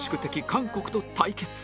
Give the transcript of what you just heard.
韓国と対決